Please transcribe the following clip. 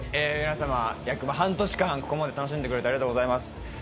皆様約半年間ここまで楽しんでくれてありがとうございます